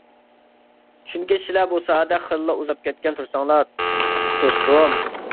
چۈنكى سىلە بۇ ساھەدە خېلىلا ئۇزاپ كەتكەن تۇرساڭلا دوستۇم.